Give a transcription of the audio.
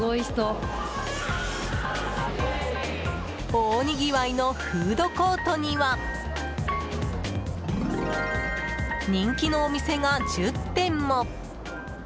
大にぎわいのフードコートには人気のお店が１０店も。